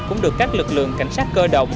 cũng được các lực lượng cảnh sát cơ động